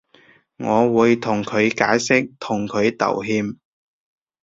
我會同佢解釋同佢道歉